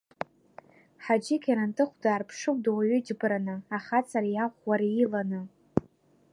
Ҳаџьы Кьарантыхә даарԥшуп дуаҩы џьбараны, ахаҵареи, аӷәӷәареи иланы.